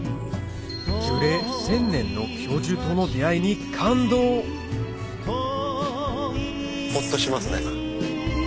樹齢１０００年の巨樹との出合いに感動ほっとしますね。